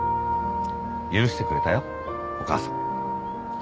許してくれたよお母さん。